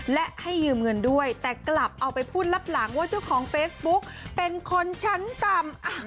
และให้ยืมเงินด้วยแต่กลับเอาไปพูดลับหลังว่าเจ้าของเฟซบุ๊กเป็นคนชั้นต่ำ